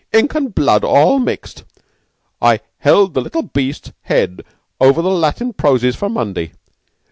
"Ink and blood all mixed. I held the little beast's head all over the Latin proses for Monday.